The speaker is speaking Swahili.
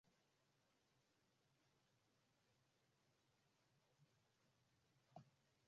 Jacob aliitikia kumaanisha ameziangalia na kusema kuwa wanafanana sana hakuna namna unaweza kuwatofautisha